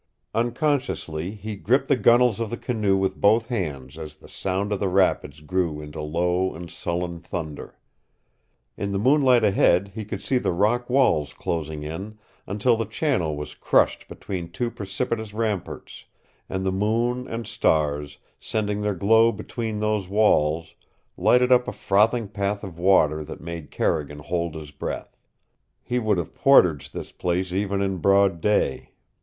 Unconsciously he gripped the gunwales of the canoe with both hands as the sound of the rapids grew into low and sullen thunder. In the moonlight ahead he could see the rock walls closing in until the channel was crushed between two precipitous ramparts, and the moon and stars, sending their glow between those walls, lighted up a frothing path of water that made Carrigan hold his breath. He would have portaged this place even in broad day.